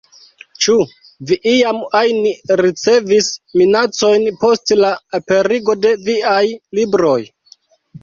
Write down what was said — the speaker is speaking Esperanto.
Ĉu vi iam ajn ricevis minacojn post la aperigo de viaj libroj?